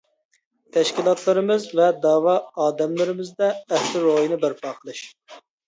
تەشكىلاتلىرىمىز ۋە دەۋا ئادەملىرىمىزدە ئەھدە روھىنى بەرپا قىلىش.